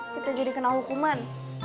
kita jadi kenal hukuman